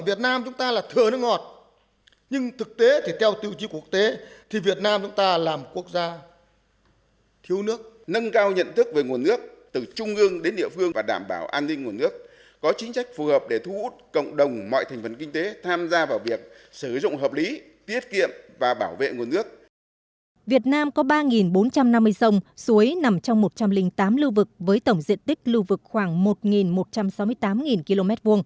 việt nam có ba bốn trăm năm mươi sông suối nằm trong một trăm linh tám lưu vực với tổng diện tích lưu vực khoảng một một trăm sáu mươi tám km hai